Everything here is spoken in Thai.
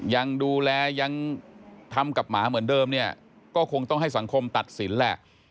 ยังดูแลยังทำกับหมาเหมือนเดิมเนี่ยก็คงต้องให้สังคมตัดสินแหละ